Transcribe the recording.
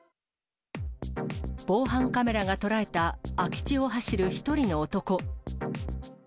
防犯カメラが捉えた、空き地を走る１人の男。